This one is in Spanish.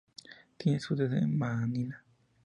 Tiene su sede en Manila.